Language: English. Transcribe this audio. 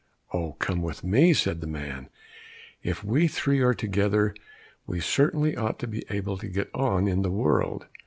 "Oh, come with me," said the man, "if we three are together, we certainly ought to be able to get on in the world!"